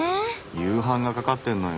夕飯がかかってんのよ。